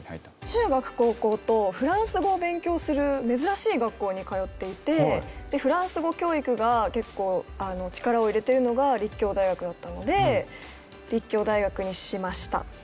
中学高校とフランス語を勉強する珍しい学校に通っていてでフランス語教育が結構力を入れてるのが立教大学だったので立教大学にしました。